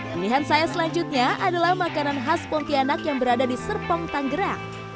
pilihan saya selanjutnya adalah makanan khas pontianak yang berada di serpong tanggerang